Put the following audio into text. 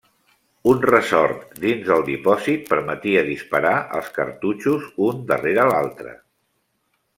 Un ressort dins del dipòsit permetia disparar els cartutxos un darrere l'altre.